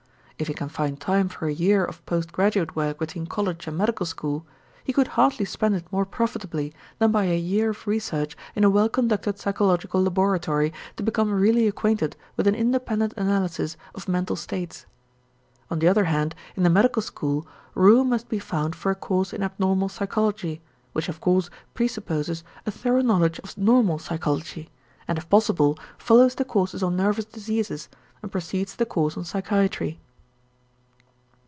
If he can find time for a year of post graduate work between college and medical school, he could hardly spend it more profitably than by a year of research in a well conducted psychological laboratory to become really acquainted with an independent analysis of mental states. On the other hand in the medical school, room must be found for a course in abnormal psychology, which of course presupposes a thorough knowledge of normal psychology and, if possible, follows the courses on nervous diseases and precedes the course on psychiatry.